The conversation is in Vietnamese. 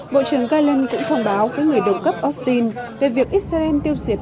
bộ trưởng galan cũng thông báo với người đồng cấp austin về việc israel tiêu diệt